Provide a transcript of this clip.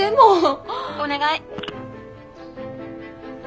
お願い！